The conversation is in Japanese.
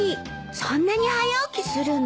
そんなに早起きするの？